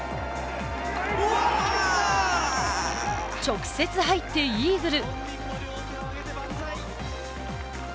直接入ってイーグル。